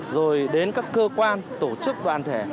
rồi đến các cơ quan tổ chức đoàn thể